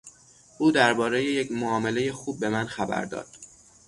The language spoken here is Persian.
او دربارهی یک معاملهی خوب به من خبر داد.